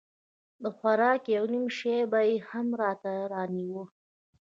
د خوراک يو نيم شى به يې هم راته رانيوه.